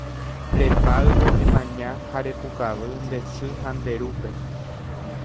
Repáyvo emaña ha repukavy nde sy ha nde rúpe